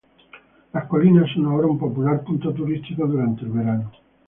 Las colinas son ahora un popular punto turístico durante el verano.